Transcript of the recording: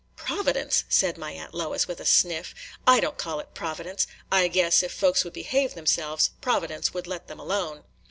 "Providence!" said my Aunt Lois, with a sniff. "I don't call it providence. I guess, if folks would behave themselves, Providence would let them alone."